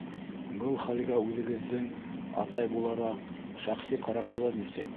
Был хәлгә үҙегеҙҙең, атай булараҡ, шәхси ҡарашығыҙ нисек?